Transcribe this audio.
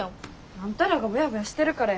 あんたらがボヤボヤしてるからや。